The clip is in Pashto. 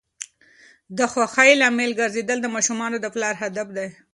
د خوښۍ لامل ګرځیدل د ماشومانو د پلار هدف دی.